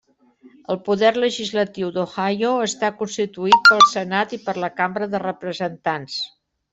El poder legislatiu d'Ohio està constituït pel Senat i per la Cambra de Representants.